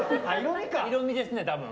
色味ですね、多分。